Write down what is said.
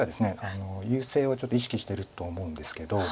優勢をちょっと意識してると思うんですけど。